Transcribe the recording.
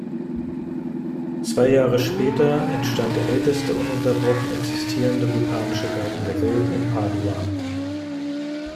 Zwei Jahre später entstand der älteste ununterbrochen existierende botanische Garten der Welt in Padua.